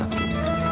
maaf pak tim